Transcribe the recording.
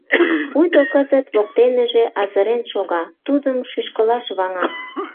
Пуйто кызыт воктеныже азырен шога, тудым шӱшкылаш ваҥа...